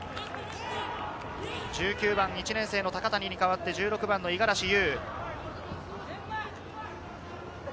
１９番、１年生の高谷に代わって１６番の五十嵐悠。